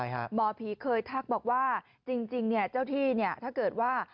หมอผีเคยทักบอกว่าจริงเจ้าที่ถ้าเกิดว่า